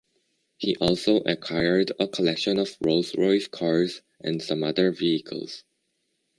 He also acquired a collection of Rolls Royce cars and some other vehicles.